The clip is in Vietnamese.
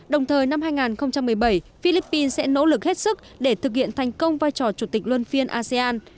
đồng thời năm hai nghìn một mươi bảy philippines sẽ nỗ lực hết sức để thực hiện thành công vai trò chủ tịch luân phiên asean